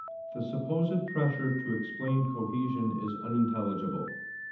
The supposed pressure [*dropped word] explain cohesion is unintelligible.